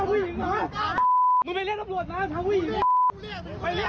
มึงไปเรียกอัปรวจมาถามผู้หญิงให้